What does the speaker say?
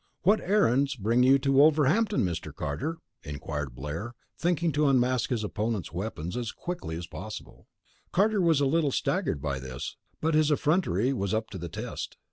"What errand brings you to Wolverhampton, Mr. Carter?" inquired Blair, thinking to unmask his opponent's weapons as quickly as possible. Carter was a little staggered by this, but his effrontery was up to the test.